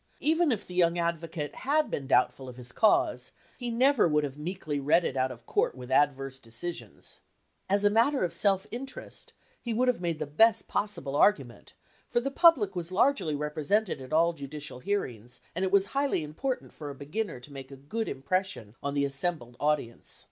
Even if the young advocate had been doubtful of his cause, he never would have meekly read it out of court with adverse decisions. As a matter of self interest, he would have made the best possible argument ; for the public was largely represented at all judicial hearings, and it was highly im portant for a beginner to make a good impression on the assembled audience.